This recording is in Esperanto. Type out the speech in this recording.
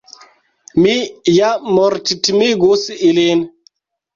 Mi ja morttimigus ilin.